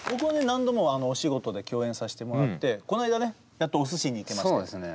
何度もお仕事で共演させてもらってこないだねやっとお寿司に行けましたね。